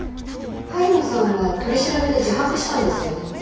萩野さんは取り調べで自白したんですよね？